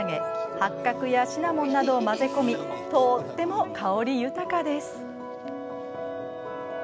八角やシナモンなどを混ぜ込みとっても香り豊かです。